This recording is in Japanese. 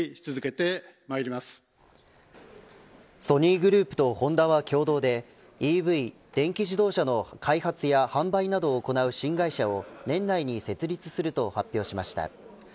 ソニーグループとホンダは共同でＥＶ、電気自動車の開発や販売などを行う新会社を年内に設立すると発表しました。